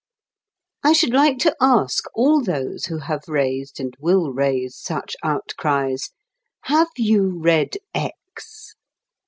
I should like to ask all those who have raised and will raise such outcries. Have you read "X"?